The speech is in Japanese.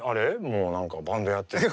もう何かバンドやってる。